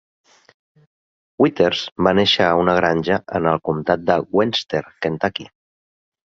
Withers va néixer a una granja en el comtat de Webster, Kentucky.